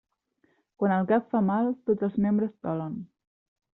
Quan el cap fa mal, tots els membres dolen.